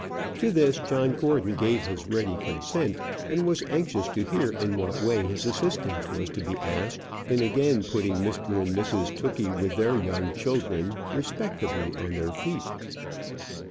To this John Gordon gave his ready consent, and was anxious to hear in what way his assistance was to be asked in again putting Mr and Mrs Tookey, with their young children, respectably on their feet.